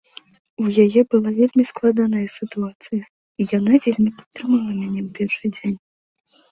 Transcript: У яе была вельмі складаная сітуацыя, і яна вельмі падтрымала мяне ў першы дзень.